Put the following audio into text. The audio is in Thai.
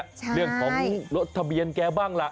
ใช่ใช่เรื่องของรถทะเบียนแกบ้างแหละ